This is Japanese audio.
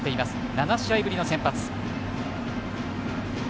７試合ぶりの先発。